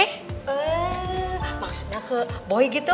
eh maksudnya ke boy gitu